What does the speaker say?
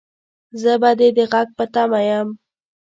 زه به دې د غږ په تمه يم